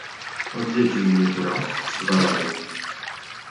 "Odwiedził mnie tu raz czy dwa razy."